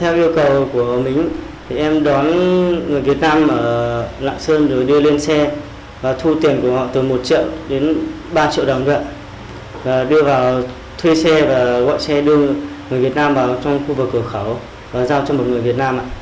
người việt nam vào trong khu vực cửa khẩu và giao cho một người việt nam